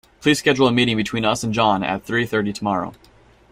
Please schedule a meeting between me and John at three thirty tomorrow.